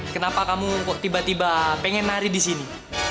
kenapa kamu kok tiba tiba pengen nari di sini